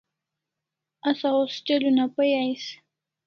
Asa hostel una pai ais